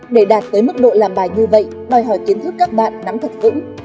để đạt tới mức độ làm bài như vậy đòi hỏi kiến thức các bạn nắm thật vững